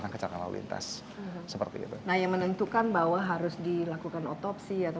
kecelakaan lalu lintas seperti itu nah yang menentukan bahwa harus dilakukan otopsi atau